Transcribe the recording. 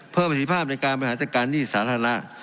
ประสิทธิภาพในการบริหารจัดการหนี้สาธารณะ